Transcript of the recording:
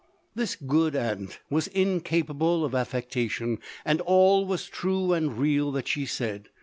This good aunt was incapable of af fectation, and all was true and real that she said.